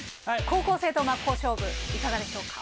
高校生と真っ向勝負いかがでしょうか？